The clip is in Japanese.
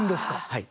はい。